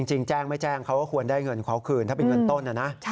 จริงแจ้งไม่แจ้งเขาก็ควรได้เงินเขาคืนถ้าเป็นเงินต้นนะนะ